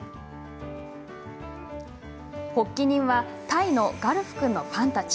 発起人はタイのガルフ君ファンたち。